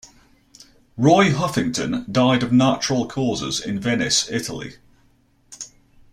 Roy Huffington died of natural causes in Venice, Italy.